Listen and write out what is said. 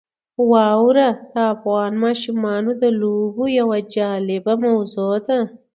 واوره د افغان ماشومانو د لوبو یوه جالبه موضوع ده.